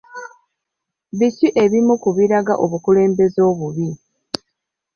Biki ebimu ku biraga obukulembeze obubi?